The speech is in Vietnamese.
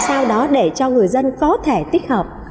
sao đó để cho người dân có thể tích hợp